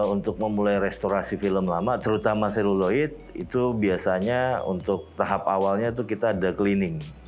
untuk memulai restorasi film lama terutama seluloid itu biasanya untuk tahap awalnya itu kita ada cleaning